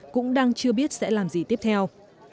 cũng đang chưa biết sẽ làm gì tiếp theo